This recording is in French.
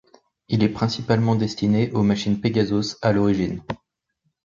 Il est principalement destiné aux machines Pegasos à l'origine.